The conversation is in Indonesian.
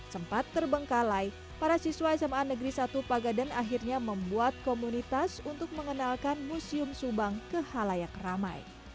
sempat terbengkalai para siswa sma negeri satu pagaden akhirnya membuat komunitas untuk mengenalkan museum subang ke halayak ramai